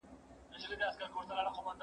زه پرون سبزیحات جمع کوم؟!